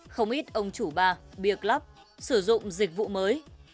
không ít ông chủ bar beer club sử dụng dịch vụ mới